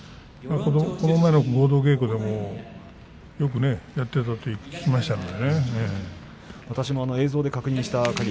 この間の合同稽古でもよくやっているという話を聞きましたけれど。